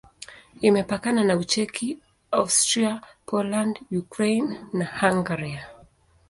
Imepakana na Ucheki, Austria, Poland, Ukraine na Hungaria.